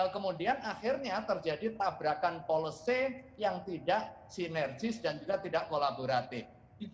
kemudian akhirnya terjadi tabrakan policy yang tidak sinergis dan juga tidak kolaboratif